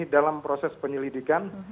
dalam proses penyelidikan